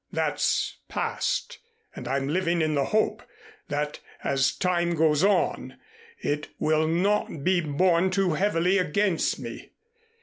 That's past and I'm living in the hope that as time goes on, it will not be borne too heavily against me.